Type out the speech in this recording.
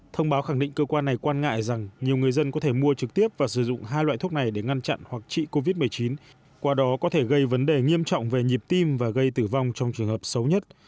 thông báo khẳng định cơ quan này quan ngại rằng nhiều người dân có thể mua trực tiếp và sử dụng hai loại thuốc này để ngăn chặn hoặc trị covid một mươi chín qua đó có thể gây vấn đề nghiêm trọng về nhịp tim và gây tử vong trong trường hợp xấu nhất